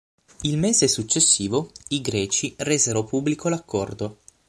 Il mese successivo, i Greci resero pubblico l'accordo.